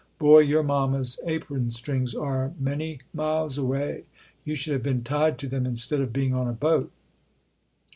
Boy, your mamma's apron strings are many miles away. You should have been tied to them instead of being on a boat."